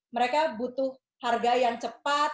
mereka butuh harga yang cepat